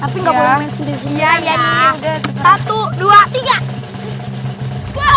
tapi ga boleh main sendiri